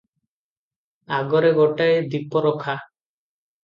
ଆଗରେ ଗୋଟାଏ ଦୀପରଖା ।